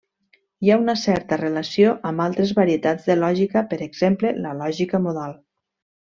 Hi ha una certa relació amb altres varietats de lògica, per exemple, la lògica modal.